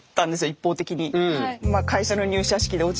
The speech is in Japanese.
一方的に。